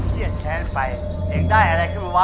เชี่ยแชนไปเองได้อะไรขึ้นมาหวะ